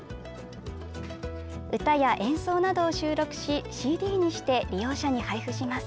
歌や演奏などを収録しＣＤにして、利用者に配布します。